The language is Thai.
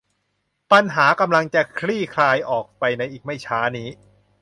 ปัญหากำลังจะคลี่คลายออกไปในไม่ช้านี้